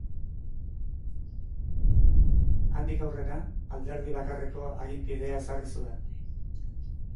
Handik aurrera, alderdi bakarreko aginpidea ezarri zuen.